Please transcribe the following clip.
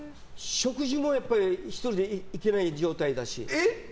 食事も１人で行けない状態だし。